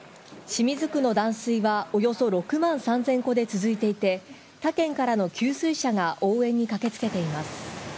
清水区の断水はおよそ６万３０００戸で続いていて、他県からの給水車が応援に駆けつけています。